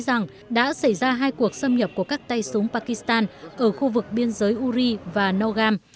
xảy ra hai cuộc xâm nhập của các tay súng pakistan ở khu vực biên giới uri và nogam